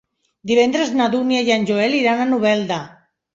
Divendres na Dúnia i en Joel iran a Novelda.